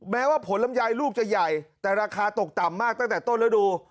แม้ว่าผลลำไยลูกจะใหญ่แต่ราคาตกต่ำมากตั้งแต่ต้นฤดู